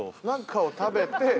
なんかを食べて。